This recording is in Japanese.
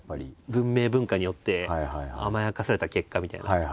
文明文化によって甘やかされた結果みたいな。